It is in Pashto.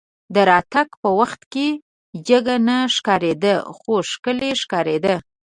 د راتګ په وخت کې جګه نه ښکارېده خو ښکلې ښکارېده.